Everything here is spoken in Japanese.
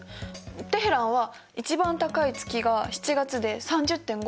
テヘランは一番高い月が７月で３０．５度。